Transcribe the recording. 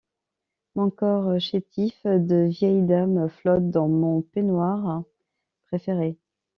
Mon corps chétif de vieille dame flotte dans mon peignoir préféré.